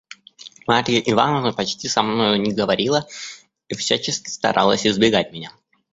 Марья Ивановна почти со мною не говорила и всячески старалась избегать меня.